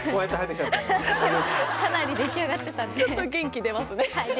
ちょっと元気出ますね。